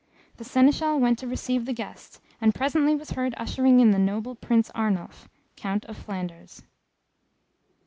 The Seneschal went to receive the guests, and presently was heard ushering in the noble Prince, Arnulf, Count of Flanders.